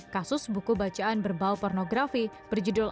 kasus buku bacaan berbau pornografi berjudul